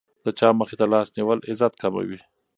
د چا مخې ته لاس نیول عزت کموي.